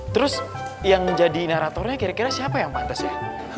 terus yang jadi naratornya kira kira siapa yang pantas ya